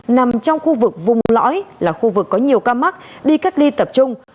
nằm trong khu vực vùng lõi là khu vực có nhiều ca mắc đi cách ly tập trung